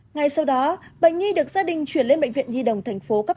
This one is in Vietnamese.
ngay sau đó bệnh nhi được gia đình chuyển lên bệnh viện nhi đồng tp hcm